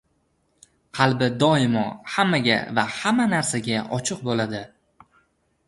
qalbi doimo hammaga va hamma narsaga ochiq bo‘ladi.